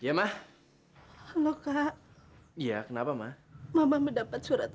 hai gemma halo kak iya kenapa ma mama mendapat surat